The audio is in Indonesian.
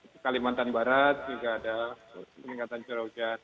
di kalimantan barat juga ada peningkatan curah hujan